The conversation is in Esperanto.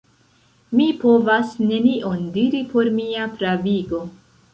Mi povas nenion diri por mia pravigo.